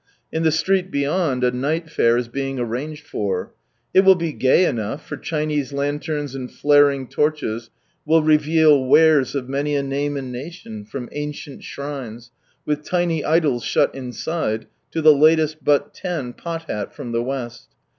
In the street beyond, a Night Fair is being arranged for. It will be gay enough, for Chinese lanterns and flaring torches will reveal wares of many a name and nation, from ancient shrines, with tiny idols shut inside, to the latest but ten pot hat from the West.